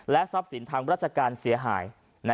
ทรัพย์สินทางราชการเสียหาย